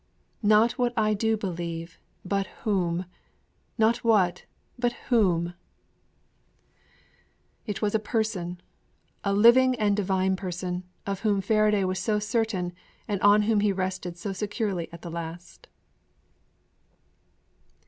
Not what I do believe, But Whom! Not What, But Whom! It was a Person, a Living and Divine Person, of whom Faraday was so certain and on whom he rested so securely at the last.